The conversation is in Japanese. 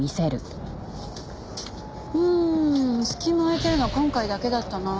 うーん隙間空いてるのは今回だけだったな。